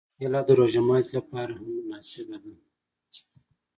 کېله د روژه ماتي لپاره هم مناسبه ده.